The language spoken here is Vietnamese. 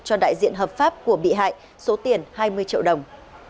cho đại diện hợp pháp của bị hại số tiền hai mươi triệu đồng